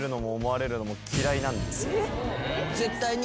絶対に？